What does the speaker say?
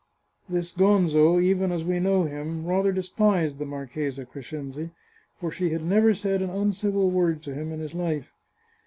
This Gonzo, even as we know him, rather despised the Marchesa Crescenzi, for she had never said an uncivil word to him in his life.